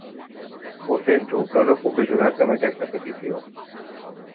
Ho sento, però no puc ajudar-te amb aquesta petició.